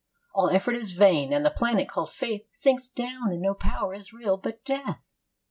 "All effort is vain; and the planet called Faith Sinks down; and no power is real but death.